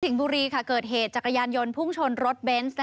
บุรีเกิดเหตุจักรยานยนต์พุ่งชนรถเบนส์